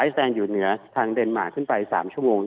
ไอซ์แลนด์อยู่เหนือทางเดนมารขึ้นไป๓ชั่วโมง